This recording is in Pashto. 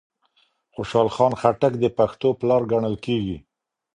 خوشحال خان خټک د پښتو پلار ګڼل کېږي